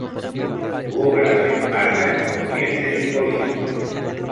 Su obra se enmarca en la corriente simbolista.